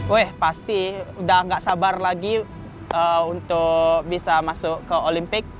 weh pasti udah gak sabar lagi untuk bisa masuk ke olimpik